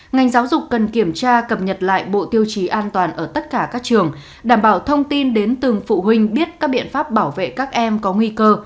ngành giáo dục cần kiểm tra cập nhật lại bộ tiêu chí an toàn ở tất cả các trường đảm bảo thông tin đến từng phụ huynh biết các biện pháp bảo vệ các em có nguy cơ